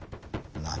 何？